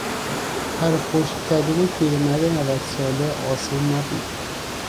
تر و خشک کردن پیر مرد نود ساله آسان نبود.